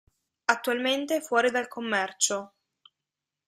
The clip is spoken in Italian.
Attualmente è fuori dal commercio.